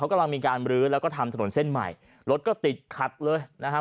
กำลังมีการบรื้อแล้วก็ทำถนนเส้นใหม่รถก็ติดขัดเลยนะครับ